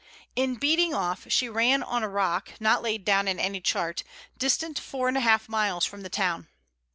In beating off, she ran on a rock, not laid down in any chart, distant four and a half miles from the town.